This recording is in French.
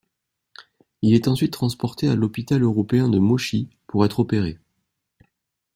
Il est ensuite transporté à l’hôpital européen de Moshi pour être opéré.